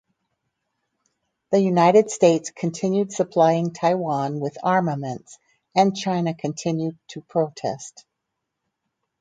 The United States continued supplying Taiwan with armaments and China continued to protest.